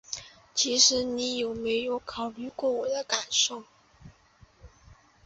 其实你有没有考虑过我的感受？